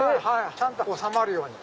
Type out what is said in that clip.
ちゃんと収まるように。